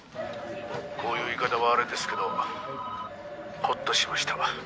こういう言い方はあれですけどほっとしました。